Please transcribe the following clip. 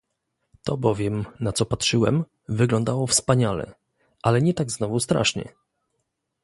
"To bowiem, na co patrzyłem, wyglądało wspaniale, ale nie tak znowu strasznie."